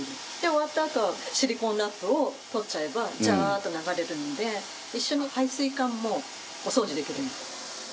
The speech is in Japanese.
終わったあとシリコンラップを取っちゃえばジャーッと流れるので一緒に排水管もお掃除できるので。